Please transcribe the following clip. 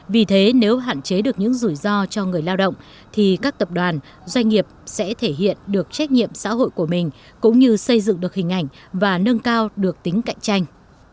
vì thế nếu hạn chế được những rủi ro cho người lao động thì các tập đoàn doanh nghiệp sẽ thể hiện được trách nhiệm xã hội của mình cũng như xây dựng được hình ảnh và nâng cao được tính cạnh tranh